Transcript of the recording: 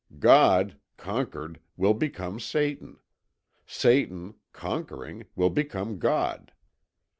"God, conquered, will become Satan; Satan, conquering, will become God.